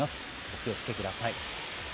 お気をつけください。